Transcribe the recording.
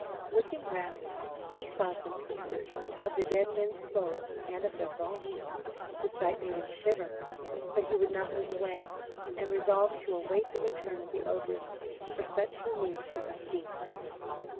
Looking round, he saw some pieces of the dead men's clothes and of their bones. The sight made him shiver, but he would not move away, and resolved to await the return of the ogress, for such he knew she must be.